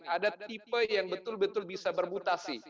ada tipe yang betul betul bisa bermutasi